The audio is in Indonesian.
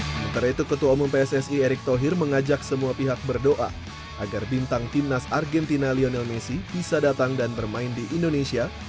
sementara itu ketua umum pssi erick thohir mengajak semua pihak berdoa agar bintang timnas argentina lionel messi bisa datang dan bermain di indonesia